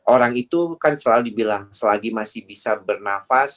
orang itu kan selalu dibilang selagi masih bisa bernafas